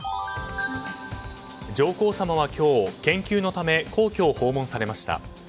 上皇さまは今日、研究のため皇居を訪問されました。